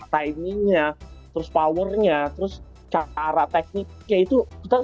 timingnya terus powernya terus cara tekniknya itu kita